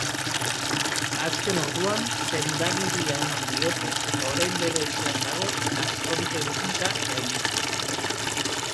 Azken orduan sendagiria eman diote eta orain bere etxean dago gastroenteritisa gaindituta.